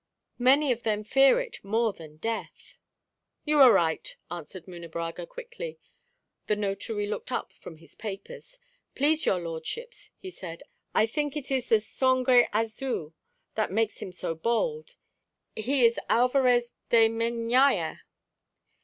Many of them fear it more than death." "You are right," answered Munebrãga quickly. The notary looked up from his papers. "Please your lordships," he said, "I think it is the sangre azul that makes him so bold. He is Alvarez de Meñaya."